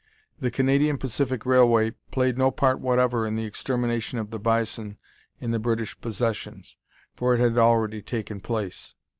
The Canadian Pacific Railway played no part whatever in the extermination of the bison in the British Possessions, for it had already taken place.